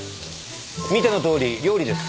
見てのとおり料理です。